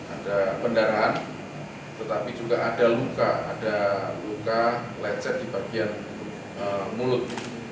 ada pendarahan tetapi juga ada luka ada luka lecet di bagian mulut